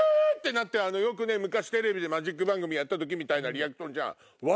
なって昔テレビでマジック番組やった時みたいなリアクション。